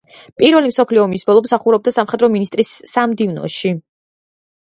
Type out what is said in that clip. პირველი მსოფლიო ომის ბოლო მსახურობდა სამხედრო მინისტრის სამდივნოში.